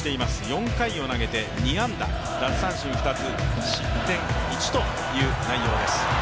４回を投げて２安打、奪三振２つ、失点１という内容です。